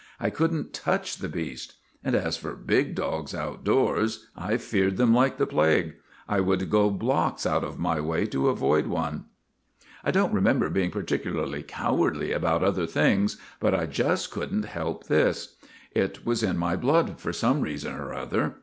I couldn't touch the beast. And as for big dogs outdoors, I feared them like the plague. I would go blocks out of my way to avoid one. * I don't remember being particularly cowardly about other things, but I just could n't help this. It was in my blood, for some reason or other.